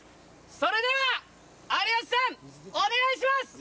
それでは有吉さんお願いします！